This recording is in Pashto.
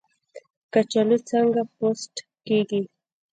کچالو څنګه پوست کیږي؟